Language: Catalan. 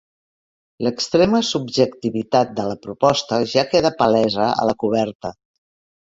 L'extrema subjectivitat de la proposta ja queda palesa a la coberta.